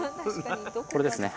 これですね。